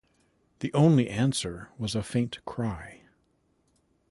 The only answer was a faint cry.